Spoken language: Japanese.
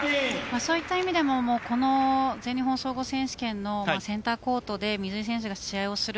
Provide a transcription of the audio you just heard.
そういった意味でもこの全日本総合選手権のセンターコートで水井選手が試合をする。